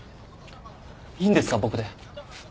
いいんですか僕で？